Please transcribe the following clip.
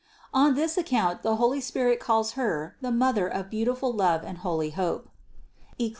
On this account the holy Spirit calls Her the Mother of beautiful love and holy hope (Eccli.